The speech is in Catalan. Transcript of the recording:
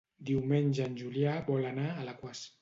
Diumenge en Julià vol anar a Alaquàs.